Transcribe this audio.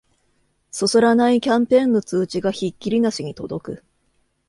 そそらないキャンペーンの通知がひっきりなしに届く